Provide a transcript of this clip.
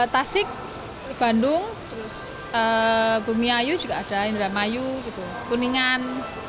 tasik bandung terus bumiayu juga ada indramayu kuningan